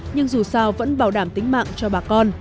nhưng dù sao vẫn bảo đảm tính mạng cho bà con